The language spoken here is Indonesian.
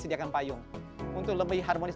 sediakan payung untuk lebih harmonis